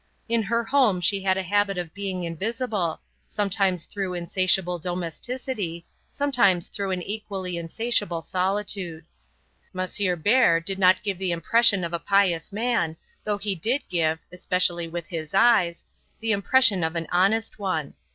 In her home she had a habit of being invisible, sometimes through insatiable domesticity, sometimes through an equally insatiable solitude. M. Bert did not give the impression of a pious man, though he did give, especially with his eyes, the impression of an honest one.